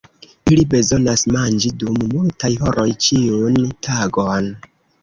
Ili bezonas manĝi dum multaj horoj ĉiun tagon.